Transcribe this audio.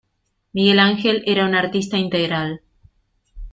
Miguel Ángel era un artista integral.